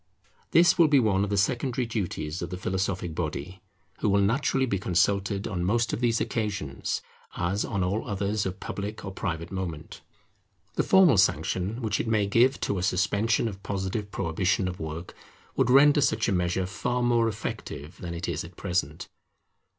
This will be one of the secondary duties of the philosophic body, who will naturally be consulted on most of these occasions, as on all others of public or private moment. The formal sanction which it may give to a suspension or positive prohibition of work would render such a measure far more effective than it is at present.